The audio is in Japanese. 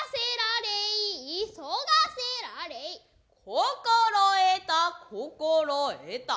心得た心得た。